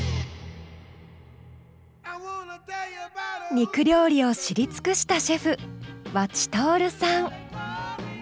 肉料理を知り尽くしたシェフ和知徹さん。